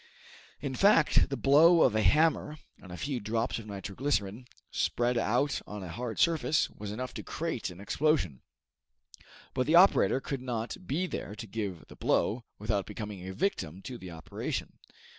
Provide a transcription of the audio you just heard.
In fact, the blow of a hammer on a few drops of nitro glycerine, spread out on a hard surface, was enough to create an explosion. But the operator could not be there to give the blow, without becoming a victim to the operation.